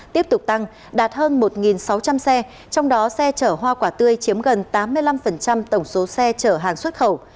tiếp tục tăng đạt hơn một sáu trăm linh xe trong đó xe chở hoa quả tươi chiếm gần tám mươi năm tổng số xe chở hàng xuất khẩu